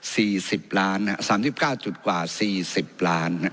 สิบล้านฮะสามสิบเก้าจุดกว่าสี่สิบล้าน